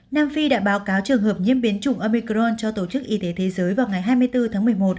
nam phi đã báo cáo trường hợp nhiễm biến chủng omicron cho tổ chức y tế thế giới vào ngày hai mươi bốn tháng một mươi một